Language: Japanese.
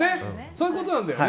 そういうことなんだよね。